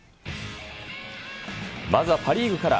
まずはパ・リーグから。